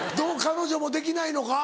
彼女もできないのか？